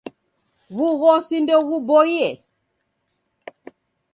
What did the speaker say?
W'ughosi ndeguboie.